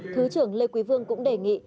thứ trưởng lê quý vương cũng đề nghị